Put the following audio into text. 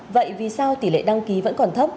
vậy vì sao tỷ lệ đăng ký vẫn còn thấp